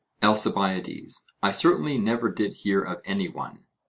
ALCIBIADES: I certainly never did hear of any one.